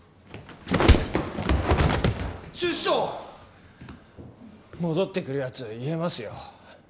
厨司長ッ戻ってくるやつは言えますよ